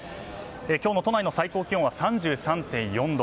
今日の都内の最高気温は３３．４度。